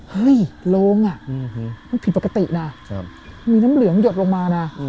เฮ้ยโรงอ่ะมันผิดปกตินะมีน้ำเหลืองหยดลงมานะ